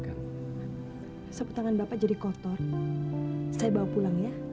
kamu tahu aja kesukaan saya